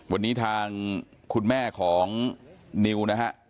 วันนี้อยู่ทางคุณแม่ของนิว